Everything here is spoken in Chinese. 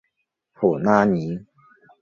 普拉尼。